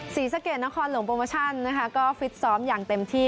ศรีสะเกดนครหลวงโปรโมชั่นนะคะก็ฟิตซ้อมอย่างเต็มที่